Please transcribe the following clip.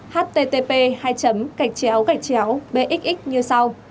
http bxx như sau